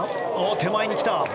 手前に来た！